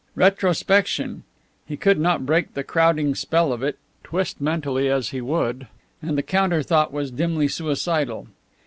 Retrospection he could not break the crowding spell of it, twist mentally as he would; and the counter thought was dimly suicidal.